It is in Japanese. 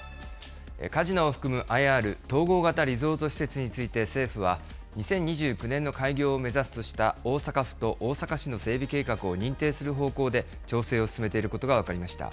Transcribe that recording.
カジノを含む、ＩＲ・統合型リゾート施設について政府は、２０２９年の開業を目指すとした、大阪府と大阪市の整備計画を認定する方向で調整を進めていることが分かりました。